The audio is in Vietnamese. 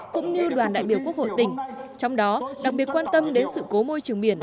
cũng như đoàn đại biểu quốc hội tỉnh trong đó đặc biệt quan tâm đến sự cố môi trường biển